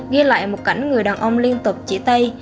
ghi lại một cảnh người đàn ông liên tục chỉ tay